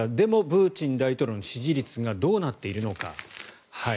プーチン大統領の支持率がどうなっているのか。